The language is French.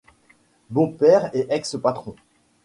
Beau-père et ex-patron.